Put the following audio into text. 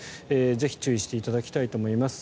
ぜひ、注意していただきたいと思います。